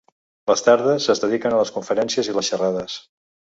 Les tardes, es dediquen a les conferències i les xerrades.